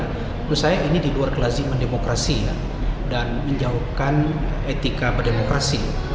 menurut saya ini di luar kelaziman demokrasi dan menjauhkan etika berdemokrasi